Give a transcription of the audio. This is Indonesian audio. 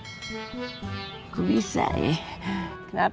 kenapa musisi anak funky nya mengatakan apa